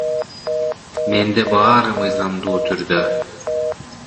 Менде баары мыйзамдуу түрдө.